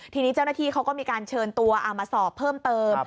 ทีนี้เจ้าหน้าที่เขาก็มีการเชิญตัวมาสอบเพิ่มเติม